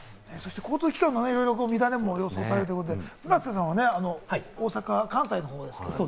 交通機関の乱れもね、予想されるということで、村瀬さんはね、大阪、関西ですね。